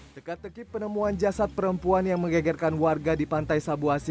teka teki penemuan jasad perempuan yang menggegerkan warga di pantai sabu asi